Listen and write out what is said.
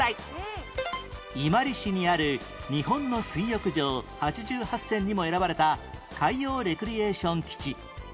伊万里市にある日本の水浴場８８選にも選ばれた海洋レクリエーション基地